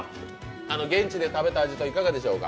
現地で食べた味といかがでしょうか。